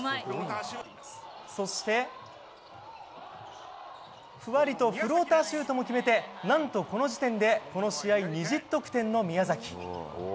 そして、ふわりとフローターシュートも決めて何と、この時点でこの試合、２０得点の宮崎。